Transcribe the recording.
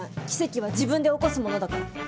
奇跡は自分で起こすものだから。